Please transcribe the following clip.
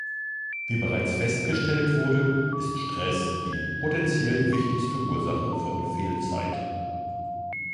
Wie bereits festgestellt wurde, ist Stress die potenziell wichtigste Ursache von Fehlzeiten.